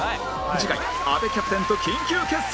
次回阿部キャプテンと緊急決戦！